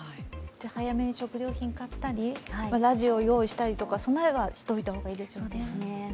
早めに食料品買ったり、ラジオを用意したりとか備えはしておいた方がいいですよね。